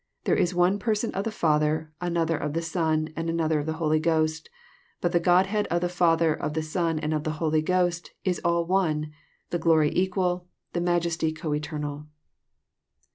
— There is one Person of the Father, another of the Son, and another of the Holy Ghost ; but the Godhead of the Father, of the Son and of the Holy Ghost is all one, the glory equal, the majesty coeternal."